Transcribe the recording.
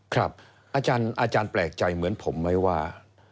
อาจารย์แปลกใจเหมือนผมไหมว่า